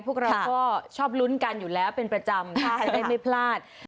พวกเราก็ชอบลุ้นกันอยู่แล้วเป็นประจำจะได้ไม่พลาด